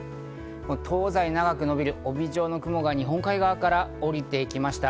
東西長く伸びる帯状の雲が日本海側から降りていきました。